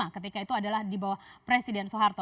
ketika itu adalah di bawah presiden soeharto